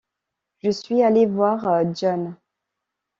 Je suis allé voir John.